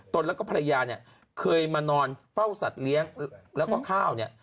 ตนแล้วก็ภรรยาเนี่ยเคยมานอนเฝ้าสัตว์เลี้ยงแล้วก็ข้าวเนี่ย